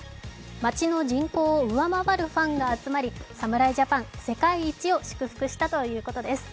町の人口を上回るファンが集まり侍ジャパン世界１を祝福したということです。